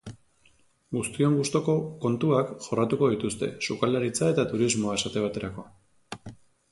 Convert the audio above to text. Guztion gustuko kontuak jorratuko dituzte, sukaldaritza eta turismoa, esate baterako.